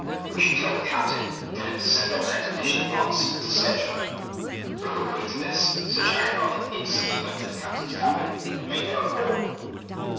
"We should tell the captain, and get him to send off an expedition at once to search for them." All agreed to this; so Jack and Alick instantly went to the captain's cabin and made their report.